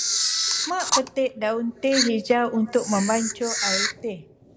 Mak petik daun teh hijau untuk membancuh air teh.